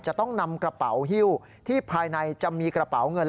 จะต้องนำกระเป๋าฮิ้วที่ภายในจะมีกระเป๋าเงิน